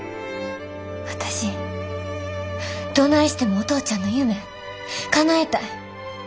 私どないしてもお父ちゃんの夢かなえたい。